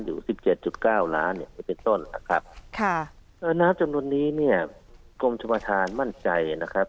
อยู่๑๗๙ล้านอยู่ในต้นนะครับ